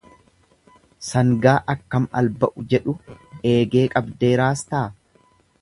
Sangaa akkam alba'u jedhu eegee qabdee raastaa.